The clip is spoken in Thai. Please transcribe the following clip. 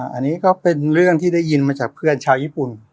อันนี้ก็เป็นเรื่องที่ได้ยินมาจากเพื่อนชาวญี่ปุ่น